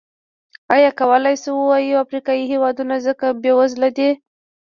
ایا کولای شو ووایو افریقايي هېوادونه ځکه بېوزله دي.